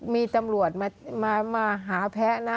มีตำรวจมาหาแพ้นะ